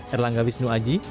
erlangga wisnu aji